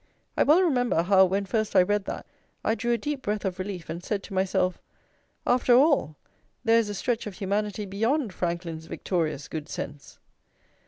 I well remember how when first I read that, I drew a deep breath of relief, and said to myself: "After all, there is a stretch of humanity beyond Franklin's victorious good sense!"